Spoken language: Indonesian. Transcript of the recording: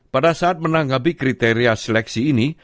pada saat menanggapi kriteria seleksi ini